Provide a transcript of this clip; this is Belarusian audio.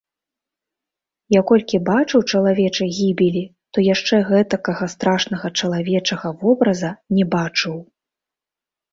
Я колькі бачыў чалавечай гібелі, то яшчэ гэтакага страшнага чалавечага вобраза не бачыў.